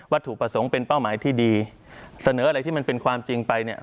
ถูกประสงค์เป็นเป้าหมายที่ดีเสนออะไรที่มันเป็นความจริงไปเนี่ย